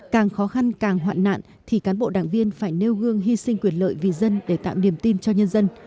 càng khó khăn càng hoạn nạn thì cán bộ đảng viên phải nêu gương hy sinh quyền lợi vì dân để tạo niềm tin cho nhân dân